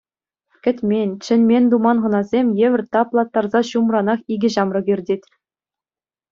Кӗтмен, чӗнмен-туман хӑнасем евӗр таплаттарса ҫумранах икӗ ҫамрӑк иртет.